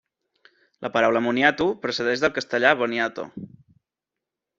La paraula moniato, procedeix del castellà boniato.